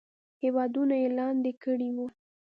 هیوادونه یې لاندې کړي وو.